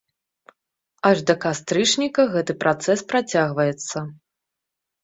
Аж да кастрычніка гэты працэс працягваецца.